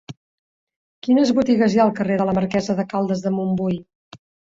Quines botigues hi ha al carrer de la Marquesa de Caldes de Montbui?